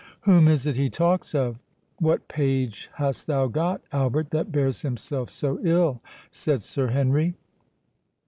"Whom is it he talks of?—what page hast thou got, Albert, that bears himself so ill?" said Sir Henry.